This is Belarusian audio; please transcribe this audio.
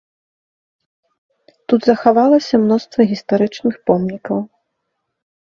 Тут захавалася мноства гістарычных помнікаў.